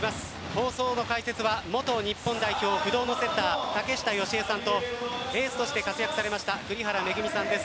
放送の解説は元日本代表不動のセッター竹下佳江さんとエースとして活躍されました栗原恵さんです。